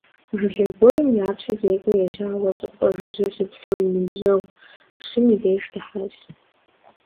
Жылэ гуэрым япщыр зекӀуэ ежьауэ щӏыпӏэ жыжьэ щыпсэу и ныбжьэгъу пщым и деж дыхьащ.